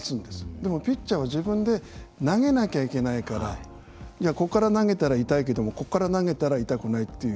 でもピッチャーは自分で投げなきゃいけないからここから投げたら痛いけどもここから投げたら痛くないっていう。